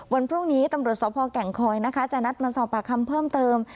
วันพรุ่งนี้ตำรวจสพแก่งคอยนะคะจะนัดมาสอบปากคำเพิ่มเติม